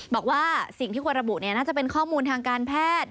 บอกว่าสิ่งที่ควรระบุน่าจะเป็นข้อมูลทางการแพทย์